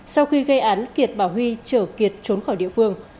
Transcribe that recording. sau khi gây án kiệt bảo huy chở kiệt trốn khỏi địa phương